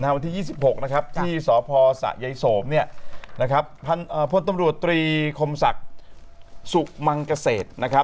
วันที่๒๖ที่สพสะยายโสมพลตำรวจตรีคมศักดิ์สุมังเกษตร